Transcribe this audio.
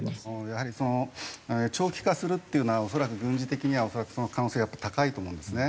やはり長期化するっていうのは恐らく軍事的にはその可能性がやっぱり高いと思うんですね。